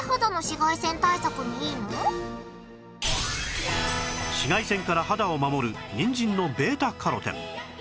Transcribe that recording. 紫外線から肌を守るにんじんの β− カロテン